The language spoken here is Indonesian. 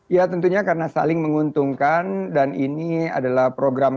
ya tentunya karena saling menguntungkan dan ini adalah program